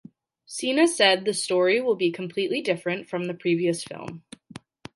Sinha said the story will be completely different from the previous film.